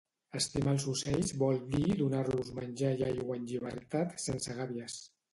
Estimar els ocells vol dir donar-los menjar i aigua en llibertat sense gàbies